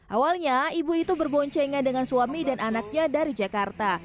awalnya ibu itu berboncengan dengan suami dan anaknya dari jakarta